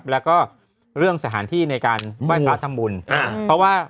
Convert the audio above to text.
แล้วก็เรื่องสถานที่ในการไว้ตราธรรมบุญ